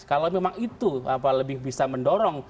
kalau memang itu lebih bisa mendorong